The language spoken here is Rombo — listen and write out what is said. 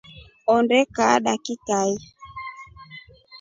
Ondee kaa dakikai.